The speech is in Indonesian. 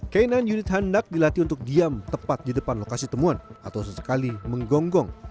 k sembilan unit hendak dilatih untuk diam tepat di depan lokasi temuan atau sesekali menggonggong